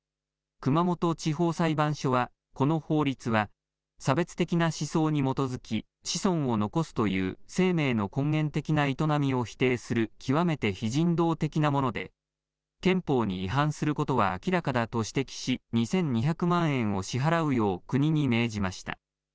熊本地方裁判所は、この法律は、差別的な思想に基づき、子孫を残すという生命の根源的な営みを否定する極めて非人道的なもので、憲法に違反することは明らかだと指摘し、２２００万円を支払うよう国に命じました。